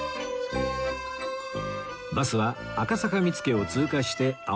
バスは赤坂見附を通過して青山へ